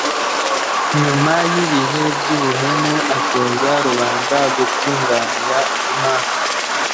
nyuma y'ibihe by'ubuhemu, atoza rubanda gutunganira imana